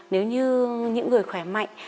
nếu như những người khỏe mạnh